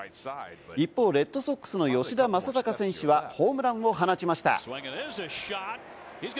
一方、レッドソックスの吉田正尚選手はホームランを放ちました。